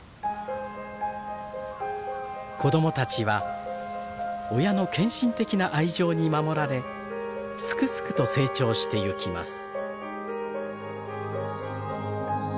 子供たちは親の献身的な愛情に守られスクスクと成長してゆきます。